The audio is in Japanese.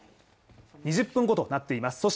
２０分後となっています